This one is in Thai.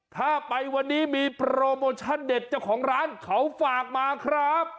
ถ้าไปวันนี้มีโปรโมชั่นเด็ดเจ้าของร้านเขาฝากมาครับ